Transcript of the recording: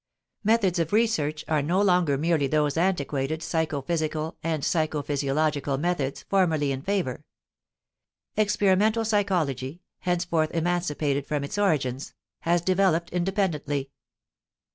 Methods of research are no longer merely those antiquated psycho physical and psycho physiological methods formerly in favor; experimental psychology, henceforth emancipated from its origins, has developed independently.